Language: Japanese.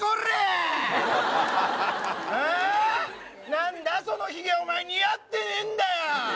何だそのヒゲお前似合ってねえんだよ！